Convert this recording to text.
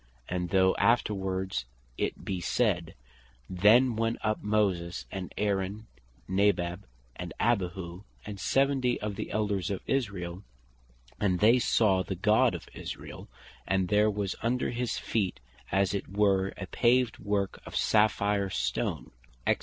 And though afterwards it be said (verse 9.) "Then went up Moses, and Aaron, Nadab, and Abihu, and seventy of the Elders of Israel, and they saw the God of Israel, and there was under his feet, as it were a paved work of a saphire stone," &c.